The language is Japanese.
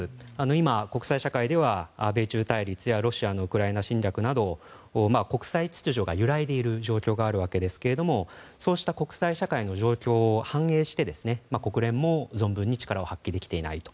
今、国際社会では、米中対立やロシアのウクライナ侵略など国際秩序が揺らいでいる状況があるわけですがそうした国際社会の状況を反映して国連も存分に力を発揮できていないと。